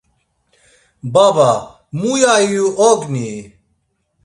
Baba, muya iyu ognii?